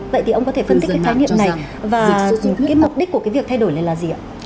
vậy thì ông có thể phân tích cái khái niệm này và cái mục đích của cái việc thay đổi này là gì ạ